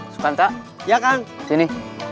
sukanta ya kang sini